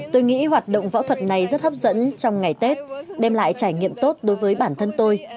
tôi nghĩ hoạt động võ thuật này rất hấp dẫn trong ngày tết đem lại trải nghiệm tốt đối với bản thân tôi